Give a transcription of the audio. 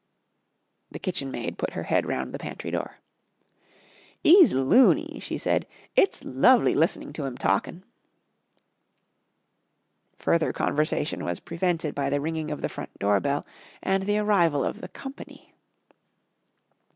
The kitchenmaid put her head round the pantry door. "'E's loony," she said. "It's lovely listening to 'im talkin.'" Further conversation was prevented by the ringing of the front door bell and the arrival of the "company."